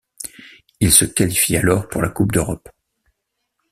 Il se qualifie alors pour la Coupe d'Europe.